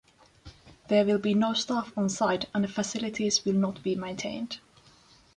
There will be no staff on site and facilities will not be maintained.